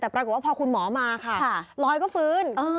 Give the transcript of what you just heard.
แต่ปรากฏว่าพอคุณหมอมาค่ะลอยก็ฟื้น